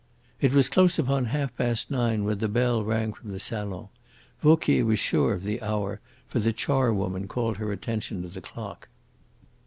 It was close upon half past nine when the bell rang from the salon. Vauquier was sure of the hour, for the charwoman called her attention to the clock.